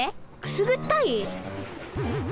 くすぐったい？